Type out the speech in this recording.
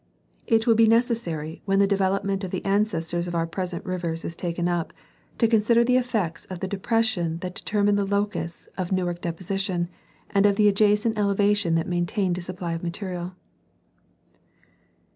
It will be neces sary, when the development of the ancestors of our present rivers is taken up, to consider the effects of the depression that determined the locus of Newark deposition and of the adjacent elevation that maintained a supply of material.